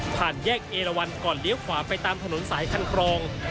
แยกเอละวันก่อนเลี้ยวขวาไปตามถนนสายคันครอง